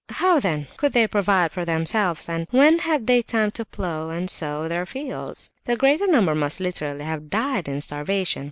How, then, could they provide for themselves, and when had they time to plough and sow their fields? The greater number must, literally, have died of starvation.